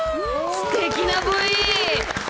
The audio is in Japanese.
すてきなＶ。